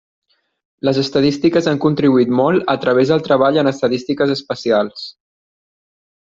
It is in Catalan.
Les estadístiques han contribuït molt a través del treball en estadístiques espacials.